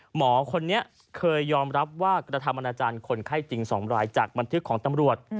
หมอคนนี้เคยยอมรับว่ากระทำอนาจารย์คนไข้จริง๒รายจากบันทึกของตำรวจ